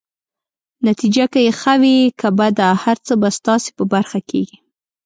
نتیجه که يې ښه وي که بده، هر څه به ستاسي په برخه کيږي.